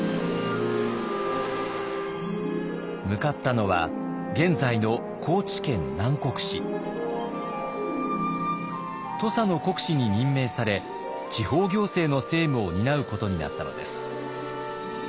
向かったのは現在の土佐の国司に任命され地方行政の政務を担うことになったのです。